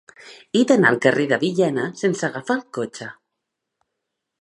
He d'anar al carrer de Villena sense agafar el cotxe.